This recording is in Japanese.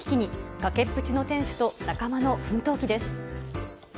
崖っぷちの店主と、仲間の奮闘記です。